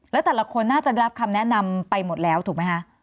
แล้วแต่ละคนน่าจะได้รับคำแนะนำไปหมดแล้วถูกไหมคะ